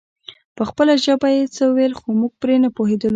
په خپله ژبه يې څه ويل خو موږ پرې نه پوهېدلو.